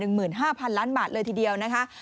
หมื่นห้าพันล้านบาทเลยทีเดียวนะคะ